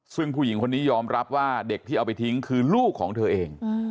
ซึ่งผู้หญิงคนนี้ยอมรับว่าเด็กที่เอาไปทิ้งคือลูกของเธอเอง